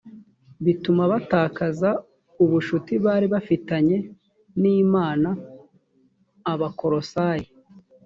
bituma batakaza ubucuti bari bafitanye n imana abakolosayi